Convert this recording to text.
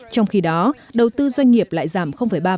trong khi đó đầu tư doanh nghiệp lại giảm ba